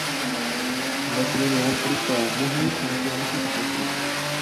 ‹‹ مەسىلىنى ھەل قىلىشتا، مۇھىمى تەڭپۇڭلۇقنى ساقلاش كېرەك››.